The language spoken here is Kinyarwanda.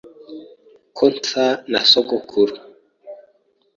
Ko nsa na sogokuru